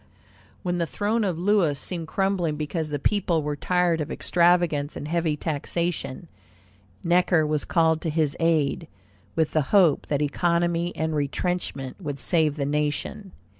When the throne of Louis seemed crumbling, because the people were tired of extravagance and heavy taxation, Necker was called to his aid, with the hope that economy and retrenchment would save the nation.